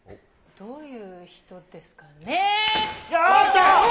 どういう人ですかね。